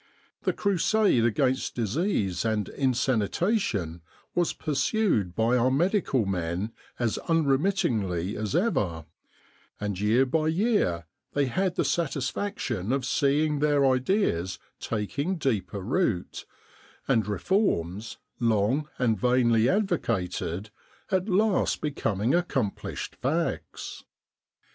The crusade against disease and insanitation was pursued by our medical men as unremittingly as ever; and year by year they had the satisfaction of seeing their ideas taking deeper root, and reforms, long and vainly advocated, at last becoming accomplished facts.